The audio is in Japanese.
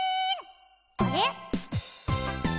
あれ？